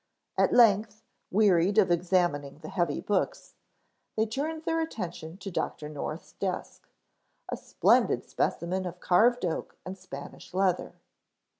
At length, wearied of examining the heavy books, they turned their attention to Dr. North's desk, a splendid specimen of carved oak and Spanish leather.